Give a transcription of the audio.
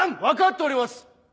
分かっております！